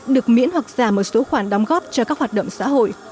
được miễn hoặc giảm một số khoản đóng góp cho các hoạt động xã hội